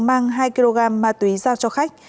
mang hai kg ma tùy ra cho khách